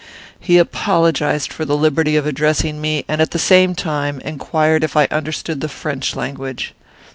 He apologized for the liberty of addressing me, and, at the same time, inquired if I understood the French language.